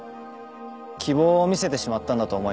希望を見せてしまったんだと思います。